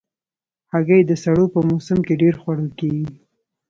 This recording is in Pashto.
هګۍ د سړو په موسم کې ډېر خوړل کېږي.